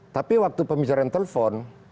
tapi waktu pembicaraan telpon